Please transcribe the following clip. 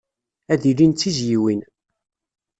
Ad ilin d tizzyiwin.